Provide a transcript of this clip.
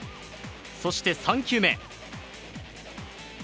そして３球目。